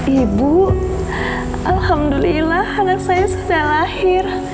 ibu alhamdulillah anak saya sudah lahir